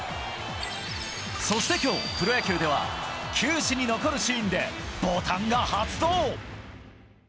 そして今日、プロ野球では球史に残るシーンでボタンが発動。